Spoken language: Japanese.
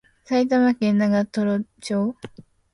埼玉県長瀞町